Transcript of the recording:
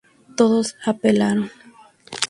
Todos apelaron.